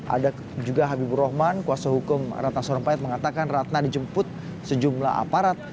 ada juga habibur rahman kuasa hukum ratna sarumpait mengatakan ratna dijemput sejumlah aparat